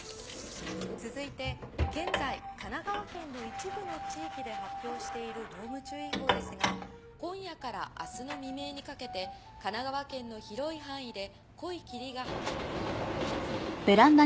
続いて現在神奈川県の一部の地域で発表している濃霧注意報ですが今夜から明日の未明にかけて神奈川県の広い範囲で濃い霧が。